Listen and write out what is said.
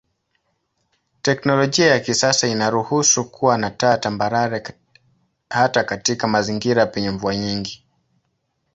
Teknolojia ya kisasa inaruhusu kuwa na taa tambarare hata katika mazingira penye mvua nyingi.